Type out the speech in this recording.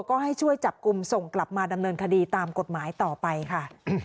ก็ให้ช่วยจับกลุ่มส่งกลับมาดำเนินคดีตามกฎหมายต่อไปค่ะ